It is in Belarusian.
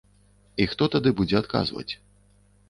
І хто тады будзе адказваць.